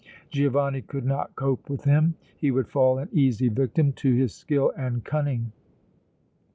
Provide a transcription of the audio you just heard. Giovanni could not cope with him; he would fall an easy victim to his skill and cunning!